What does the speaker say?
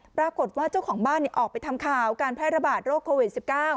ปรากฏว่าเจ้าของบ้านออกไปทำข่าวการแพร่ระบาดโรคโควิด๑๙